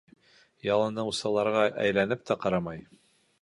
Ялыныусыларға әйләнеп тә ҡарамай.